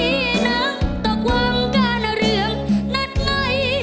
น้ำตกวังกาลเรืองนัดไง